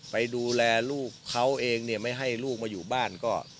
ไปดูแลลูกเขาเองเนี่ยไม่ให้ลูกมาอยู่บ้านก็